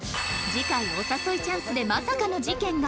次回お誘いチャンスでまさかの事件が！